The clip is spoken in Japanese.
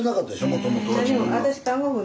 もともとは。